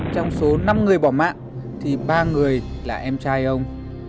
trong số năm người bỏ mạng thì ba người là em trai ông